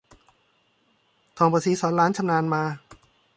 ทองประศรีสอนหลานชำนาญมา